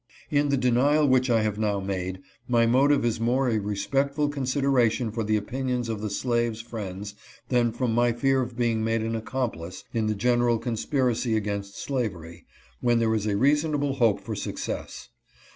In the denial which I have now made, my motive is more a respectful consideration for the opinions of the slaves' friends than from my fear of being made an accomplice in the general conspiracy against slavery, when there is a reasonable hope for success.